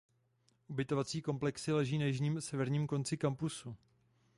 Ubytovací komplexy leží na jižním a severním konci kampusu.